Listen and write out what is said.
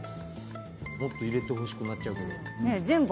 もっと入れてほしくなっちゃうけど。